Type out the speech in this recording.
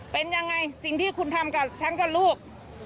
เป็นยังไงสิ่งที่คุณทำกับฉันกับลูก